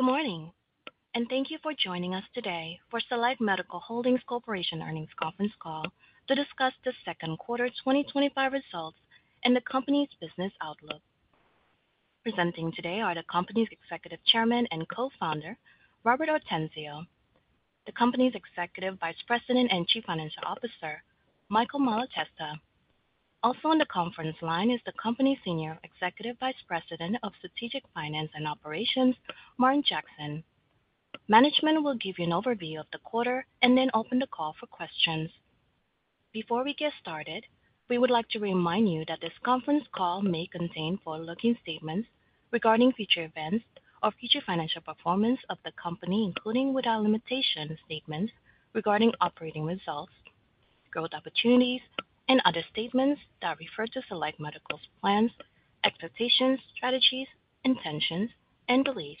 Good morning, and thank you for joining us today for Select Medical Holdings Corporation Earnings Conference Call to discuss the second quarter 2025 results and the company's business outlook. Presenting today are the company's Executive Chairman and Co-Founder, Robert Ortenzio, and the company's Executive Vice President and Chief Financial Officer, Michael Malatesta. Also on the conference line is the company's Senior Executive Vice President of Strategic Finance and Operations, Martin Jackson. Management will give you an overview of the quarter and then open the call for questions. Before we get started, we would like to remind you that this conference call may contain forward-looking statements regarding future events or future financial performance of the company, including without limitation statements regarding operating results, growth opportunities, and other statements that refer to Select Medical's plans, expectations, strategies, intentions, and beliefs.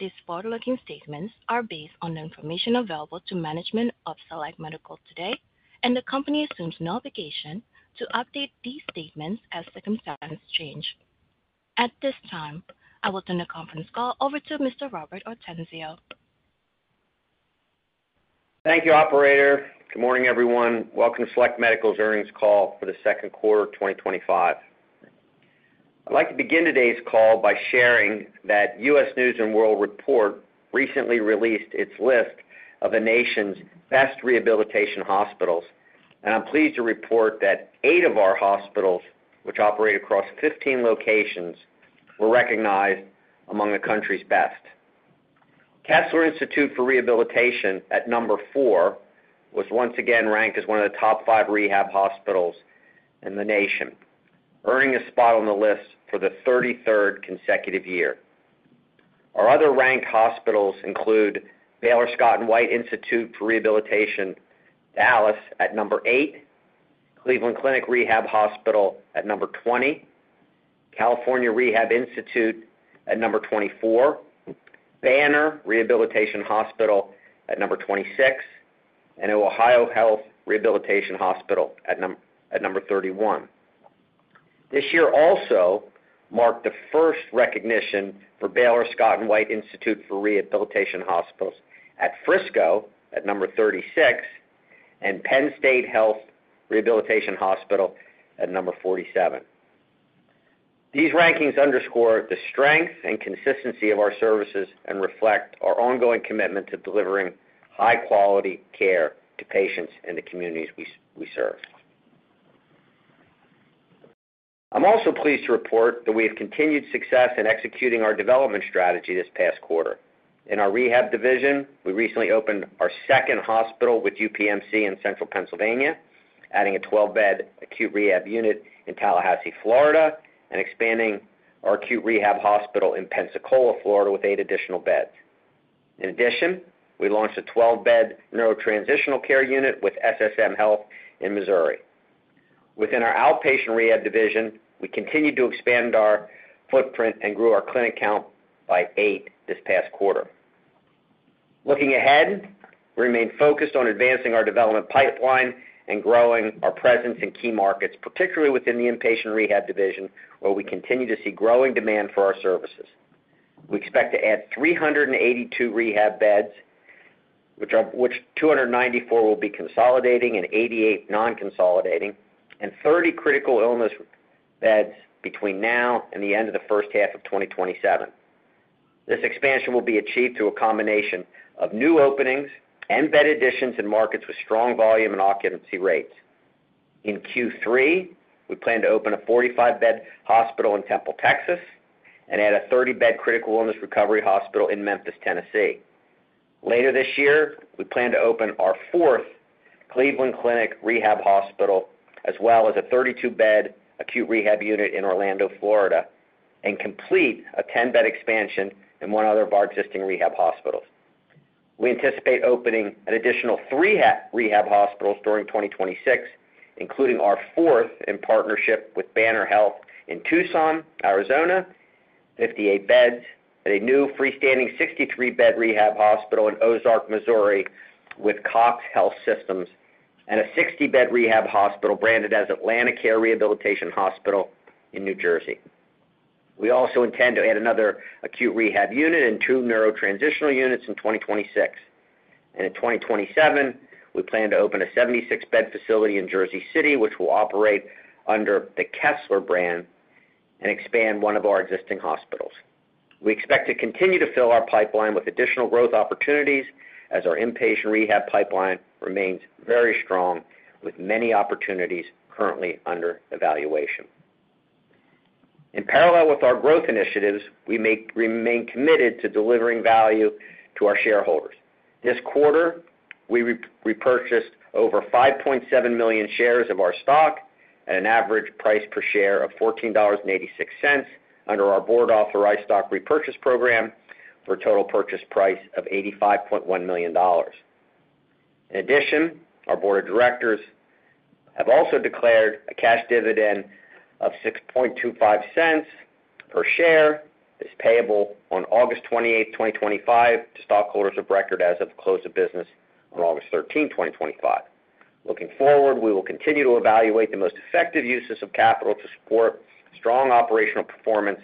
These forward-looking statements are based on the information available to management of Select Medical today, and the company assumes no obligation to update these statements as circumstances change. At this time, I will turn the conference call over to Mr. Robert Ortenzio. Thank you, Operator. Good morning, everyone. Welcome to Select Medical's Earnings Call for the second quarter of 2025. I'd like to begin today's call by sharing that U.S. News & World Report recently released its list of the nation's best rehabilitation hospitals, and I'm pleased to report that eight of our hospitals, which operate across 15 locations, were recognized among the country's best. Kessler Institute for Rehabilitation, at number four, was once again ranked as one of the top five rehab hospitals in the nation, earning a spot on the list for the 33rd consecutive year. Our other ranked hospitals include Baylor Scott & White Institute for Rehabilitation, Dallas at number eight, Cleveland Clinic Rehabilitation Hospital at number 20, California Rehabilitation Institute at number 24, Banner Rehabilitation Hospital at number 26, and OhioHealth Rehabilitation Hospital at number 31. This year also marked the first recognition for Baylor Scott & White Institute for Rehabilitation Hospital at Frisco at number 36, and Penn State Health Rehabilitation Hospital at number 47. These rankings underscore the strength and consistency of our services and reflect our ongoing commitment to delivering high-quality care to patients and the communities we serve. I'm also pleased to report that we have continued success in executing our development strategy this past quarter. In our rehab division, we recently opened our second hospital with UPMC in Central Pennsylvania, adding a 12-bed acute rehab unit in Tallahassee, Florida, and expanding our acute rehab hospital in Pensacola, Florida, with eight additional beds. In addition, we launched a 12-bed neurotransitional care unit with SSM Health in Missouri. Within our outpatient rehab division, we continued to expand our footprint and grew our clinic count by eight this past quarter. Looking ahead, we remain focused on advancing our development pipeline and growing our presence in key markets, particularly within the inpatient rehab division, where we continue to see growing demand for our services. We expect to add 382 rehab beds, of which 294 will be consolidating and 88 non-consolidating, and 30 critical illness beds between now and the end of the first half of 2027. This expansion will be achieved through a combination of new openings and bed additions in markets with strong volume and occupancy rates. In Q3, we plan to open a 45-bed hospital in Temple, Texas, and add a 30-bed critical illness recovery hospital in Memphis, Tennessee. Later this year, we plan to open our fourth Cleveland Clinic Rehabilitation Hospital, as well as a 32-bed acute rehab unit in Orlando, Florida, and complete a 10-bed expansion in one other of our existing rehab hospitals. We anticipate opening an additional three rehab hospitals during 2026, including our fourth in partnership with Banner Health in Tucson, Arizona, 58 beds, and a new freestanding 63-bed rehab hospital in Ozark, Missouri with CoxHealth Systems, and a 60-bed rehab hospital branded as AtlantiCare Rehabilitation Hospital in New Jersey. We also intend to add another acute rehab unit and two neurotransitional units in 2026. In 2027, we plan to open a 76-bed facility in Jersey City, which will operate under the Kessler brand and expand one of our existing hospitals. We expect to continue to fill our pipeline with additional growth opportunities as our inpatient rehab pipeline remains very strong, with many opportunities currently under evaluation. In parallel with our growth initiatives, we remain committed to delivering value to our shareholders. This quarter, we repurchased over 5.7 million shares of our stock at an average price per share of $14.86 under our board-authorized stock repurchase program, for a total purchase price of $85.1 million. In addition, our board of directors has also declared a cash dividend of $0.0625 per share that is payable on August 28, 2025, to stockholders of record as of the close of business on August 13, 2025. Looking forward, we will continue to evaluate the most effective uses of capital to support strong operational performance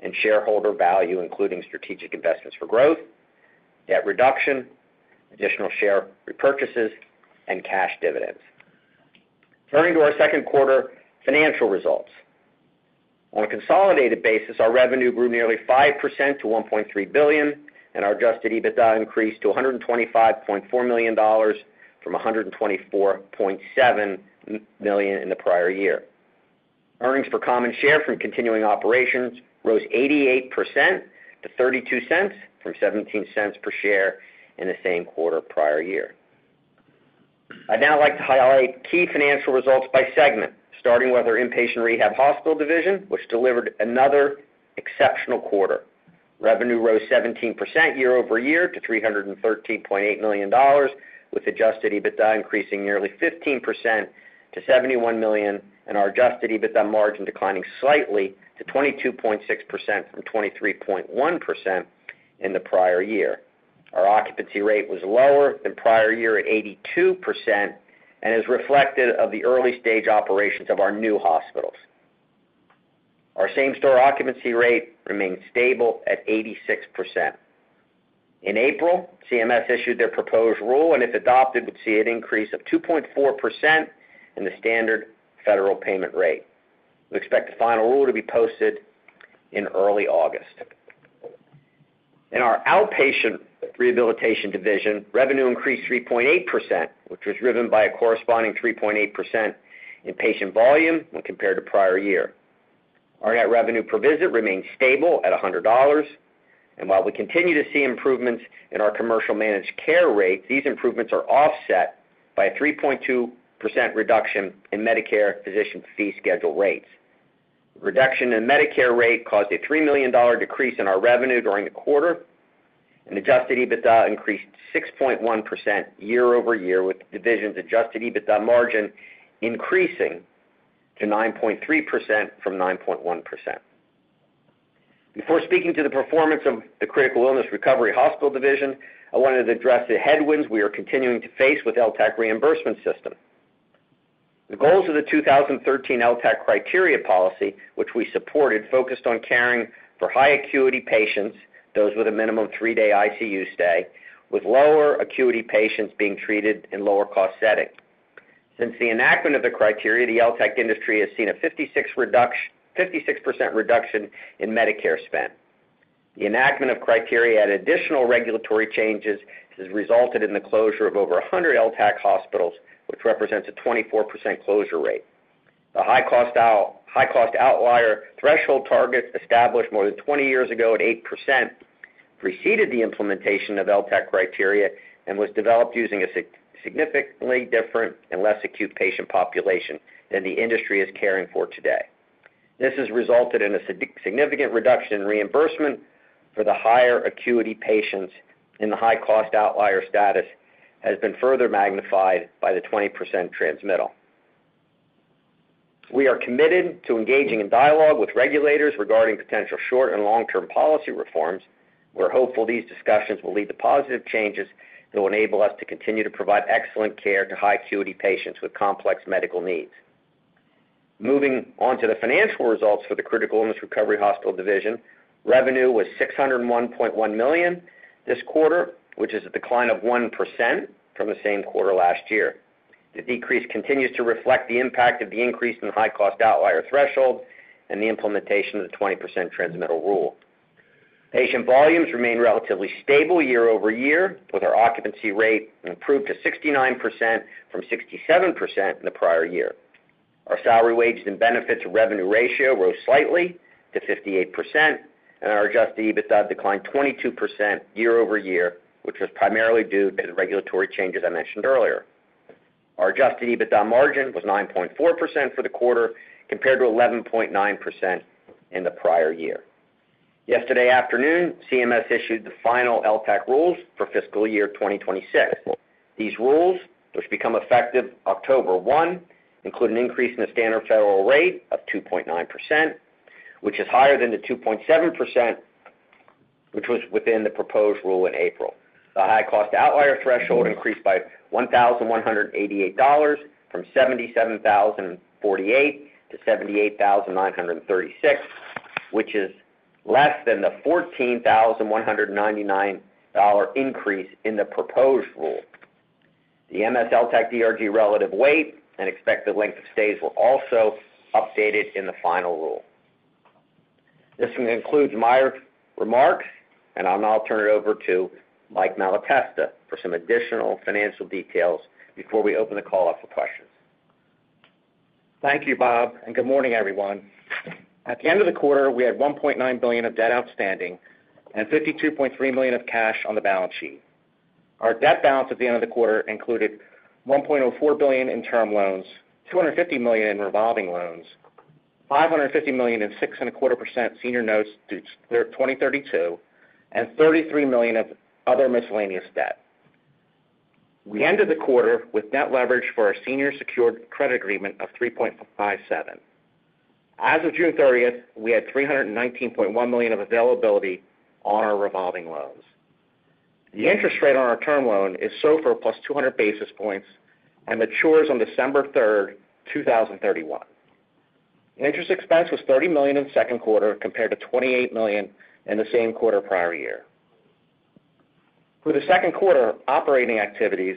and shareholder value, including strategic investments for growth, debt reduction, additional share repurchases, and cash dividends. Turning to our second quarter financial results. On a consolidated basis, our revenue grew nearly 5% to $1.3 billion, and our adjusted EBITDA increased to $125.4 million from $124.7 million in the prior year. Earnings per common share from continuing operations rose 88% to $0.32 from $0.17 per share in the same quarter prior year. I'd now like to highlight key financial results by segment, starting with our inpatient rehab hospital division, which delivered another exceptional quarter. Revenue rose 17% year-over-year to $313.8 million, with adjusted EBITDA increasing nearly 15% to $71 million, and our adjusted EBITDA margin declining slightly to 22.6% from 23.1% in the prior year. Our occupancy rate was lower than prior year at 82% and is reflective of the early-stage operations of our new hospitals. Our same-store occupancy rate remains stable at 86%. In April, CMS issued their proposed rule, and if adopted, would see an increase of 2.4% in the standard federal payment rate. We expect the final rule to be posted in early August. In our outpatient rehabilitation division, revenue increased 3.8%, which was driven by a corresponding 3.8% in patient volume when compared to prior year. Our net revenue per visit remains stable at $100, and while we continue to see improvements in our commercial managed care rate, these improvements are offset by a 3.2% reduction in Medicare physician fee schedule rates. The reduction in the Medicare rate caused a $3 million decrease in our revenue during the quarter, and adjusted EBITDA increased 6.1% year-over-year, with the division's adjusted EBITDA margin increasing to 9.3% from 9.1%. Before speaking to the performance of the critical illness recovery hospital division, I wanted to address the headwinds we are continuing to face with the LTACH reimbursement system. The goals of the 2013 LTACH criteria policy, which we supported, focused on caring for high-acuity patients, those with a minimum three-day ICU stay, with lower acuity patients being treated in lower-cost settings. Since the enactment of the criteria, the LTACH industry has seen a 56% reduction in Medicare spend. The enactment of criteria and additional regulatory changes has resulted in the closure of over 100 LTACH hospitals, which represents a 24% closure rate. The high-cost outlier threshold targets established more than 20 years ago at 8% preceded the implementation of LTACH criteria and was developed using a significantly different and less acute patient population than the industry is caring for today. This has resulted in a significant reduction in reimbursement for the higher acuity patients, and the high-cost outlier status has been further magnified by the 20% transmittal. We are committed to engaging in dialogue with regulators regarding potential short and long-term policy reforms. We're hopeful these discussions will lead to positive changes that will enable us to continue to provide excellent care to high-acuity patients with complex medical needs. Moving on to the financial results for the critical illness recovery hospital division, revenue was $601.1 million this quarter, which is a decline of 1% from the same quarter last year. The decrease continues to reflect the impact of the increase in the high-cost outlier threshold and the implementation of the 20% transmittal rule. Patient volumes remain relatively stable year-over-year, with our occupancy rate improved to 69% from 67% in the prior year. Our salary, wages, and benefits revenue ratio rose slightly to 58%, and our adjusted EBITDA declined 22% year-over-year, which was primarily due to the regulatory changes I mentioned earlier. Our adjusted EBITDA margin was 9.4% for the quarter, compared to 11.9% in the prior year. Yesterday afternoon, CMS issued the final LTACH rules for fiscal year 2026. These rules, which become effective October 1, include an increase in the standard federal rate of 2.9%, which is higher than the 2.7% which was within the proposed rule in April. The high-cost outlier threshold increased by $1,188 from $77,048 to $78,936, which is less than the $14,199 increase in the proposed rule. The MS-LTC-DRG relative weight and expected length of stays were also updated in the final rule. This concludes my remarks, and I'll now turn it over to Michael Malatesta for some additional financial details before we open the call up for questions. Thank you, Bob, and good morning, everyone. At the end of the quarter, we had $1.9 billion of debt outstanding and $52.3 million of cash on the balance sheet. Our debt balance at the end of the quarter included $1.04 billion in term loans, $250 million in revolving loans, $550 million in 6.25% senior notes through 2032, and $33 million of other miscellaneous debt. We ended the quarter with net leverage for our senior secured credit agreement of 3.57. As of June 30, we had $319.1 million of availability on our revolving loans. The interest rate on our term loan is SOFR +200 basis points and matures on December 3, 2031. Interest expense was $30 million in the second quarter, compared to $28 million in the same quarter prior year. For the second quarter, operating activities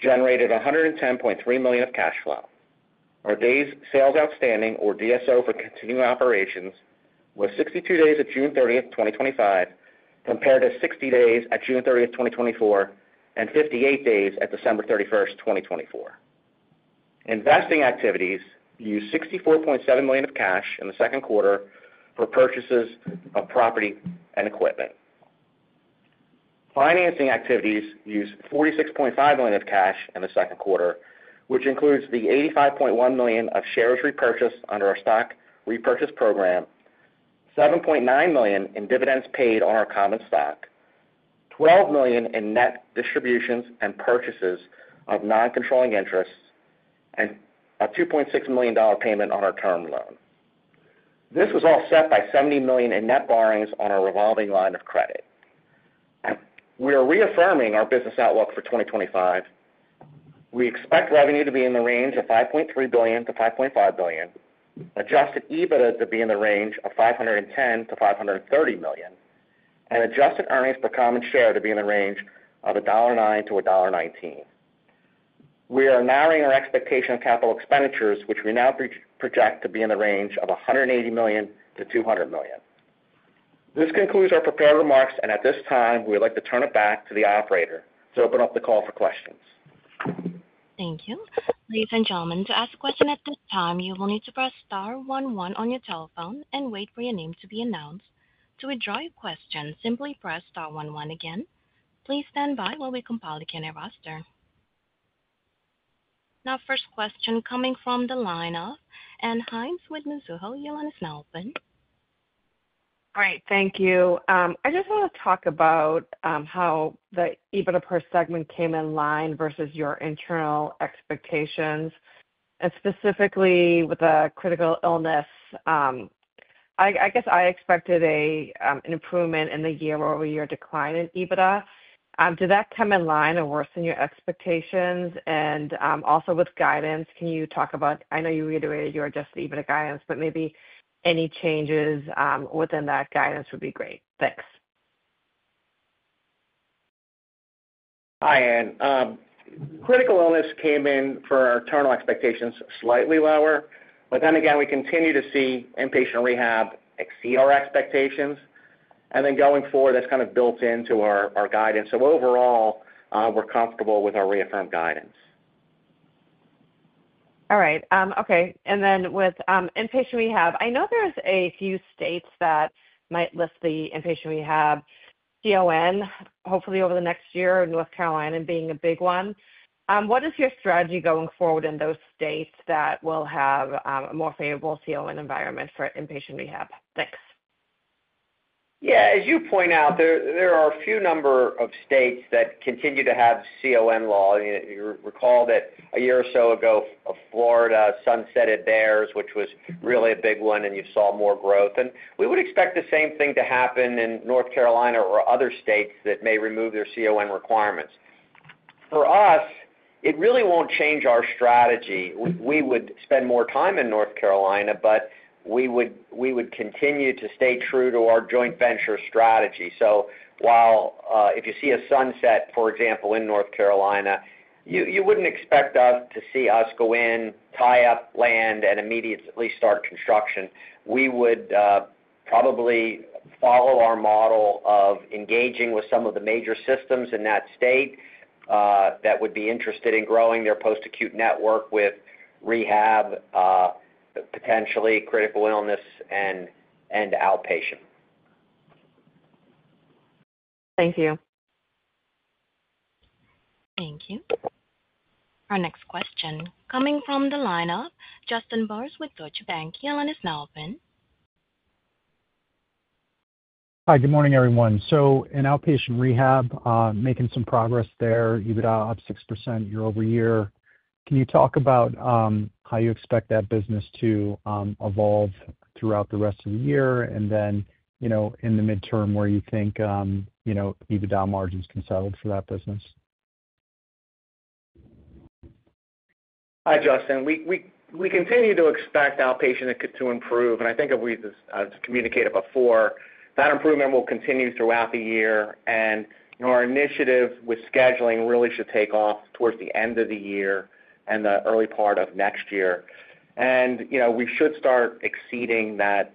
generated $110.3 million of cash flow. Our days sales outstanding, or DSO, for continuing operations was 62 days at June 30, 2025, compared to 60 days at June 30, 2024, and 58 days at December 31, 2024. Investing activities used $64.7 million of cash in the second quarter for purchases of property and equipment. Financing activities used $46.5 million of cash in the second quarter, which includes the $85.1 million of shares repurchased under our stock repurchase program, $7.9 million in dividends paid on our common stock, $12 million in net distributions and purchases of non-controlling interests, and a $2.6 million payment on our term loan. This was offset by $70 million in net borrowings on our revolving line of credit. We are reaffirming our business outlook for 2025. We expect revenue to be in the range of $5.3 billion-$5.5 billion, adjusted EBITDA to be in the range of $510 million-$530 million, and adjusted earnings per common share to be in the range of $1.09-$1.19. We are narrowing our expectation of capital expenditures, which we now project to be in the range of $180 million-$200 million. This concludes our prepared remarks, and at this time, we would like to turn it back to the operator to open up the call for questions. Thank you. Ladies and gentlemen, to ask a question at this time, you will need to press star one one on your telephone and wait for your name to be announced. To withdraw your question, simply press star one one again. Please stand by while we compile the queue. Now, first question coming from the line of Ann Hynes with Mizuho. Your line is now open. All right. Thank you. I just want to talk about how the EBITDA per segment came in line versus your internal expectations, and specifically with the critical illness. I guess I expected an improvement in the year-over-year decline in EBITDA. Did that come in line or worse than your expectations? Also, with guidance, can you talk about—I know you reiterated you were adjusting EBITDA guidance, but maybe any changes within that guidance would be great. Thanks. Hi, Ann. Critical illness came in for our terminal expectations slightly lower. We continue to see inpatient rehab exceed our expectations. Going forward, that's kind of built into our guidance. Overall, we're comfortable with our reaffirmed guidance. All right. Okay. With inpatient rehab, I know there's a few states that might lift the inpatient rehab CON, hopefully over the next year, North Carolina being a big one. What is your strategy going forward in those states that will have a more favorable CON environment for inpatient rehab? Thanks. Yeah. As you point out, there are a few number of states that continue to have CON law. You recall that a year or so ago Florida sunsetted theirs, which was really a big one, and you saw more growth. We would expect the same thing to happen in North Carolina or other states that may remove their CON requirements. For us, it really won't change our strategy. We would spend more time in North Carolina, but we would continue to stay true to our joint venture strategy. While, if you see a sunset, for example, in North Carolina, you wouldn't expect to see us go in, tie up land, and immediately start construction. We would probably follow our model of engaging with some of the major systems in that state that would be interested in growing their post-acute network with rehabi, potentially critical illness, and outpatient. Thank you. Thank you. Our next question coming from the line of Justin Bowers with Deutsche Bank. Your line is open. Good morning, everyone. In outpatient rehab, making some progress there, EBITDA up 6% year-over-year. Can you talk about how you expect that business to evolve throughout the rest of the year and, in the midterm, where you think EBITDA margins can settle for that business? Hi, Justin. We continue to expect outpatient to improve. I think, as we communicated before, that improvement will continue throughout the year. Our initiative with scheduling really should take off towards the end of the year and the early part of next year. We should start exceeding that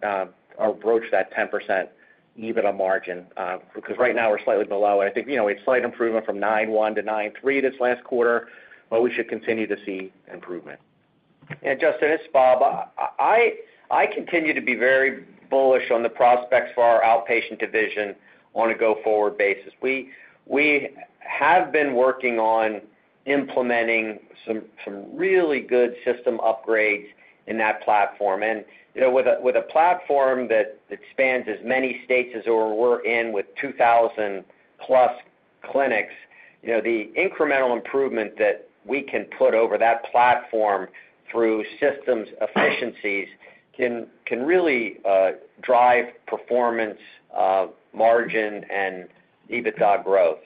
or broach that 10% EBITDA margin because right now we're slightly below it. I think we had slight improvement from 9.1% to 9.3% this last quarter, but we should continue to see improvement. Justin, it's Bob. I continue to be very bullish on the prospects for our outpatient division on a go-forward basis. We have been working on implementing some really good system upgrades in that platform. With a platform that spans as many states as we're in with 2,000-plus clinics, the incremental improvement that we can put over that platform through systems efficiencies can really drive performance, margin, and EBITDA growth.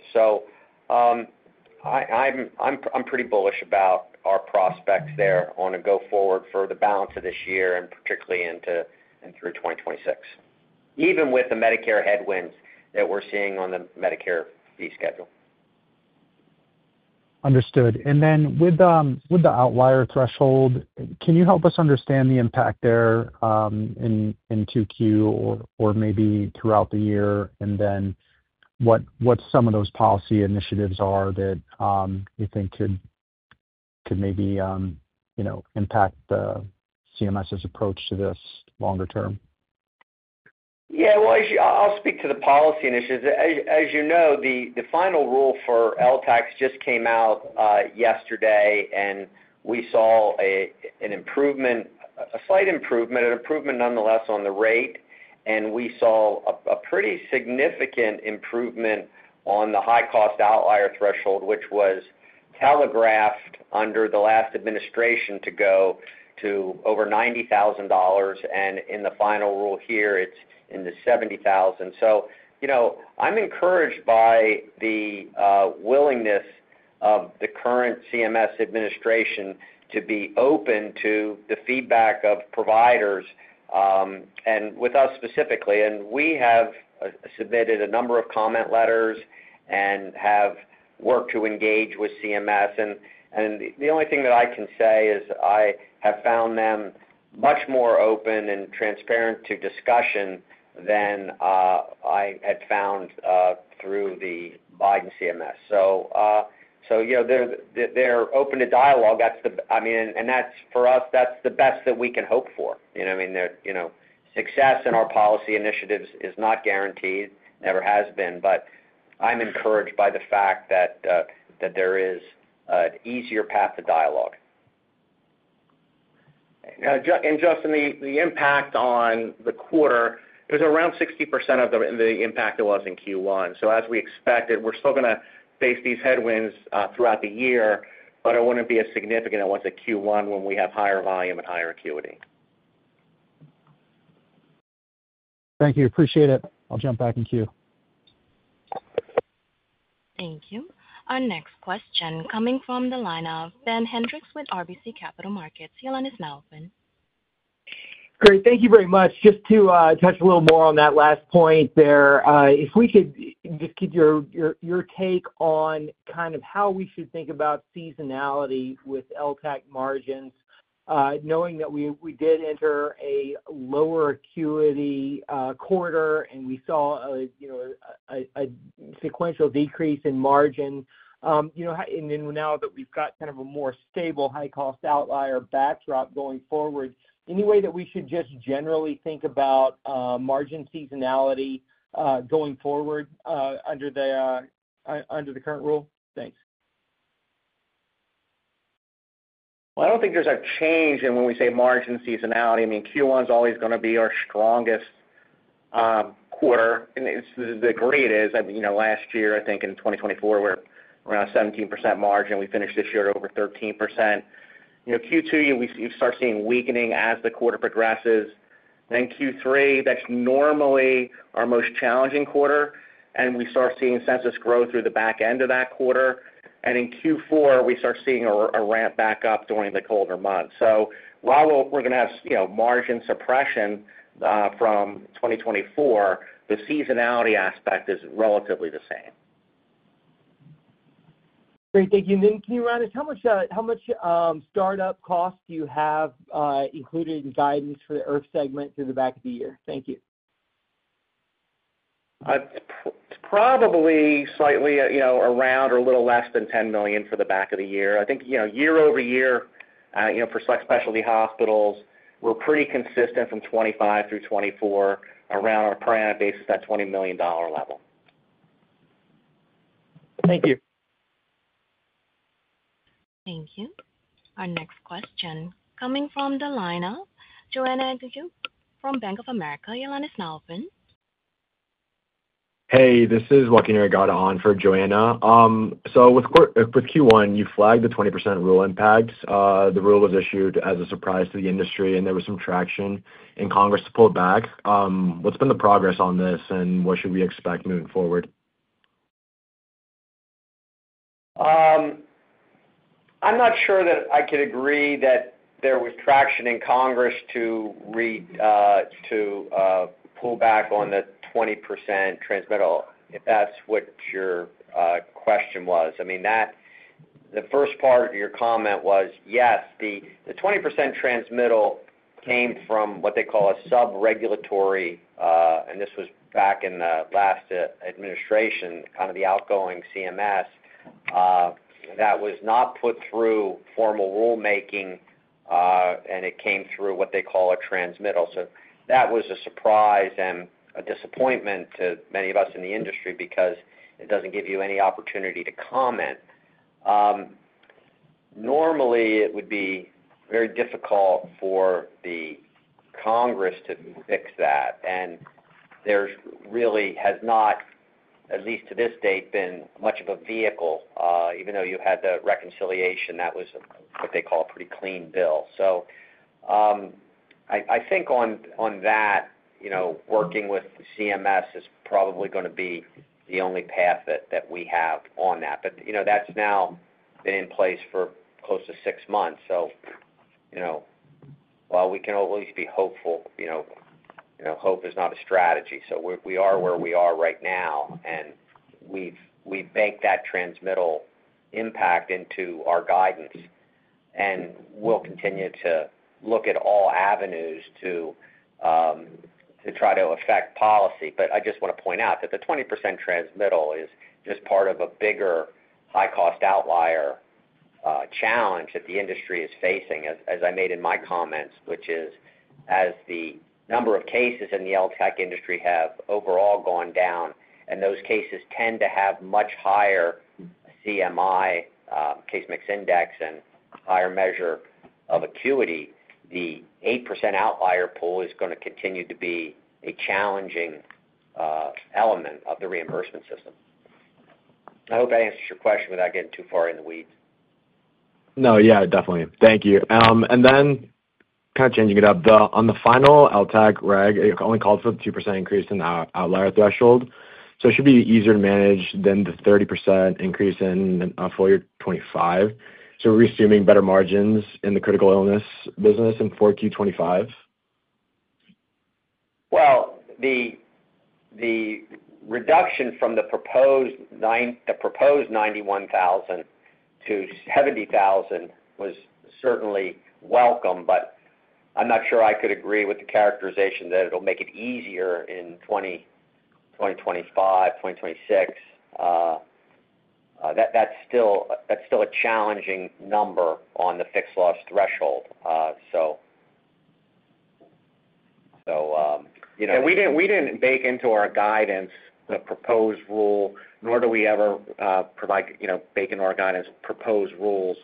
I'm pretty bullish about our prospects there on a go-forward for the balance of this year and particularly into and through 2026, even with the Medicare headwinds that we're seeing on the Medicare fee schedule. Understood. With the outlier threshold, can you help us understand the impact there in 2Q or maybe throughout the year? What are some of those policy initiatives that you think could maybe impact the CMS's approach to this longer term? I'll speak to the policy initiatives. As you know, the final rule for LTACH just came out yesterday, and we saw an improvement, a slight improvement, an improvement nonetheless on the rate. We saw a pretty significant improvement on the high-cost outlier threshold, which was telegraphed under the last administration to go to over $90,000. In the final rule here, it's in the $70,000. I'm encouraged by the willingness of the current CMS administration to be open to the feedback of providers, and with us specifically. We have submitted a number of comment letters and have worked to engage with CMS. The only thing that I can say is I have found them much more open and transparent to discussion than I had found through the Biden CMS. They're open to dialogue. That's, for us, the best that we can hope for. Success in our policy initiatives is not guaranteed, never has been. I'm encouraged by the fact that there is an easier path to dialogue. Justin, the impact on the quarter, it was around 60% of the impact it was in Q1. As we expected, we're still going to face these headwinds throughout the year, but it wouldn't be as significant as it was at Q1 when we have higher volume and higher acuity. Thank you. Appreciate it. I'll jump back in queue. Thank you. Our next question coming from the line of Ben Hendrix with RBC Capital Markets. Your line is open. Great. Thank you very much. Just to touch a little more on that last point there, if we could just get your take on kind of how we should think about seasonality with LTACH margins, knowing that we did enter a lower acuity quarter and we saw a sequential decrease in margin, and then now that we've got kind of a more stable high-cost outlier backdrop going forward, any way that we should just generally think about margin seasonality going forward under the current rule? Thanks. I don't think there's a change in when we say margin seasonality. Q1 is always going to be our strongest quarter, and it's the greatest. Last year, I think in 2024, we're around 17% margin. We finished this year at over 13%. Q2, you start seeing weakening as the quarter progresses. Q3, that's normally our most challenging quarter, and we start seeing census growth through the back end of that quarter. In Q4, we start seeing a ramp back up during the colder months. While we're going to have margin suppression from 2024, the seasonality aspect is relatively the same. Great. Thank you. Can you write us how much startup costs do you have included in guidance for the IRF segment through the back of the year? Thank you. It's probably slightly, you know, around or a little less than $10 million for the back of the year. I think, you know, year-over-year, you know, for specialty hospitals, we're pretty consistent from 2025 through 2024 around our per annum basis, that $20 million level. Thank you. Thank you. Our next question coming from the line of Joanna Gajuk from Bank of America Your line is now open. Hey, this is Joaquin Arriagada on for Joanna. For Q1, you flagged the 20% rule impacts. The rule was issued as a surprise to the industry, and there was some traction in Congress to pull it back. What's been the progress on this, and what should we expect moving forward? I'm not sure that I could agree that there was traction in Congress to pull back on the 20% transmittal, if that's what your question was. I mean, the first part of your comment was, yes, the 20% transmittal came from what they call a subregulatory, and this was back in the last administration, kind of the outgoing CMS. That was not put through formal rulemaking, and it came through what they call a transmittal. That was a surprise and a disappointment to many of us in the industry because it doesn't give you any opportunity to comment. Normally, it would be very difficult for Congress to fix that. There really has not, at least to this date, been much of a vehicle, even though you had the reconciliation that was what they call a pretty clean bill. I think on that, working with CMS is probably going to be the only path that we have on that. That's now been in place for close to six months. While we can always be hopeful, hope is not a strategy. We are where we are right now, and we've banked that transmittal impact into our guidance. We'll continue to look at all avenues to try to affect policy. I just want to point out that the 20% transmittal is just part of a bigger high-cost outlier challenge that the industry is facing, as I made in my comments, which is as the number of cases in the LTACH industry have overall gone down, and those cases tend to have much higher CMI, case mix index, and higher measure of acuity, the 8% outlier pool is going to continue to be a challenging element of the reimbursement system. I hope that answers your question without getting too far in the weeds. Yeah, definitely. Thank you. Kind of changing it up, on the final LTACH reg, it only called for a 2% increase in the outlier threshold. It should be easier to manage than the 30% increase in full year 2025. We're assuming better margins in the critical illness business in 4Q 2025? The reduction from the proposed $91,000 to $70,000 was certainly welcome, but I'm not sure I could agree with the characterization that it'll make it easier in 2025, 2026. That's still a challenging number on the fixed loss threshold. We didn't bake into our guidance the proposed rule, nor do we ever provide, you know, bake into our guidance proposed rules.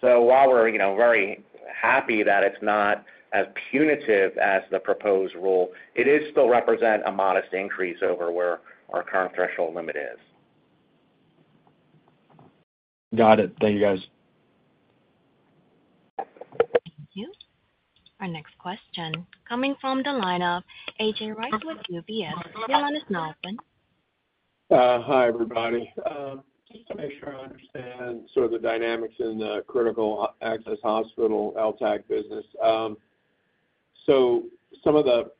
While we're, you know, very happy that it's not as punitive as the proposed rule, it is still representing a modest increase over where our current threshold limit is. Got it. Thank you, guys. Our next question coming from the line of A.J. Rice with UBS. Your line is now open. Hi, everybody. Sort of the dynamics in the critical access hospital LTACH business. Some of the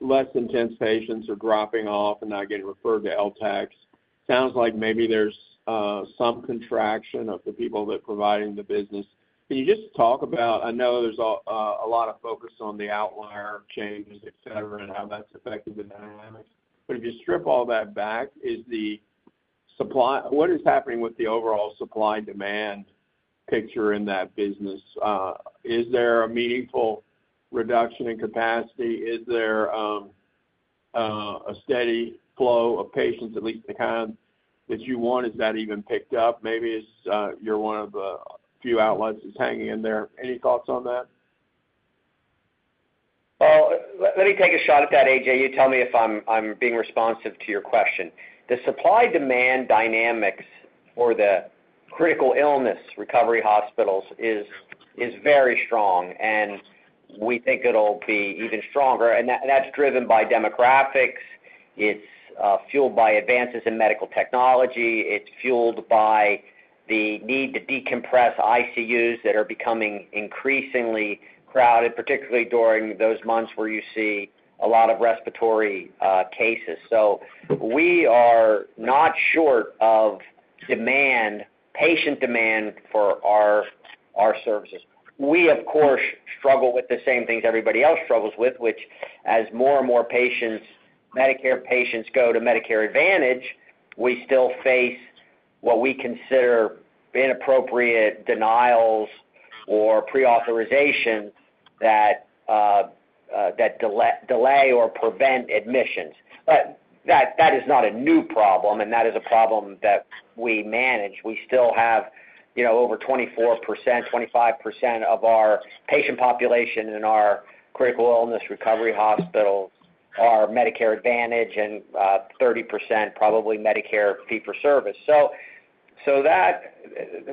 less intense patients are dropping off and not getting referred to LTACH. It sounds like maybe there's some contraction of the people that are providing the business. Can you just talk about, I know there's a lot of focus on the outlier changes, etc., and how that's affected the dynamics. If you strip all that back, is the supply, what is happening with the overall supply-demand picture in that business? Is there a meaningful reduction in capacity? Is there a steady flow of patients that leak the kind that you want? Is that even picked up? Maybe you're one of the few outlets that's hanging in there. Any thoughts on that? Let me take a shot at that, A.J.. You tell me if I'm being responsive to your question. The supply-demand dynamics for the critical illness recovery hospitals is very strong, and we think it'll be even stronger. That is driven by demographics. It's fueled by advances in medical technology. It's fueled by the need to decompress ICUs that are becoming increasingly crowded, particularly during those months where you see a lot of respiratory cases. We are not short of demand, patient demand for our services. We, of course, struggle with the same things everybody else struggles with, which, as more and more Medicare patients go to Medicare Advantage, we still face what we consider inappropriate denials or pre-authorizations that delay or prevent admissions. That is not a new problem, and that is a problem that we manage. We still have over 24%, 25% of our patient population in our critical illness recovery hospital are Medicare Advantage and 30% probably Medicare fee-for-service.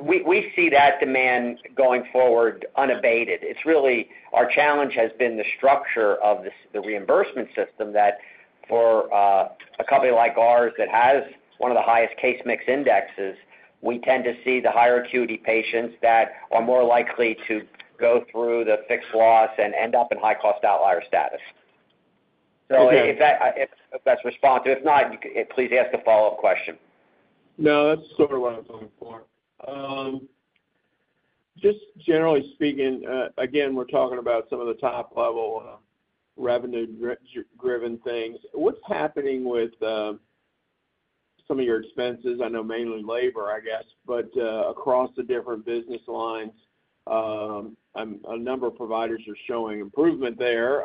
We see that demand going forward unabated. It's really our challenge has been the structure of the reimbursement system that for a company like ours that has one of the highest case mix indexes, we tend to see the higher acuity patients that are more likely to go through the fixed loss and end up in high-cost outlier status. If that's responsive, if not, please ask a follow-up question. No, that's sort of what I'm looking for. Just generally speaking, again, we're talking about some of the top-level revenue-driven things. What's happening with some of your expenses? I know mainly labor, I guess, but across the different business lines, a number of providers are showing improvement there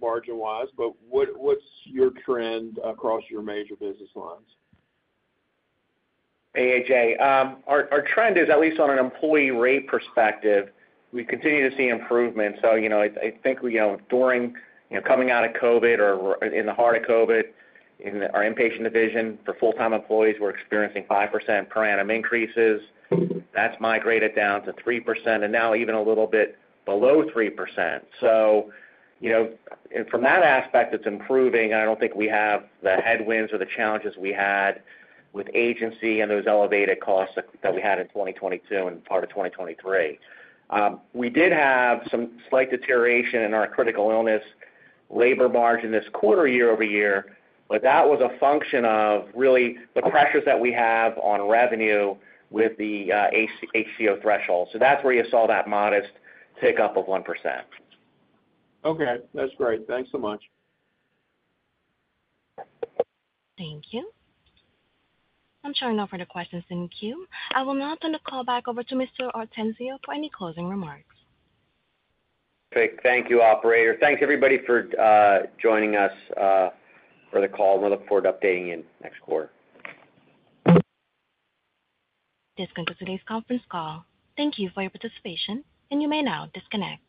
margin-wise. What's your trend across your major business lines? A.J., our trend is, at least on an employee rate perspective, we continue to see improvement. I think we, during coming out of COVID or in the heart of COVID in our inpatient division for full-time employees, were experiencing 5% per annum increases. That's migrated down to 3% and now even a little bit below 3%. From that aspect, it's improving. I don't think we have the headwinds or the challenges we had with agency and those elevated costs that we had in 2022 and part of 2023. We did have some slight deterioration in our critical illness labor margin this quarter year-over-year, but that was a function of really the pressures that we have on revenue with the high-cost outlier threshold. That's where you saw that modest tick up of 1%. Okay, that's great. Thanks so much. Thank you. I'm showing no further questions in queue. I will now turn the call back over to Mr. Ortenzio for any closing remarks. Great. Thank you, Operator. Thank you, everybody, for joining us for the call. We look forward to updating you next quarter. This concludes today's conference call. Thank you for your participation, and you may now disconnect.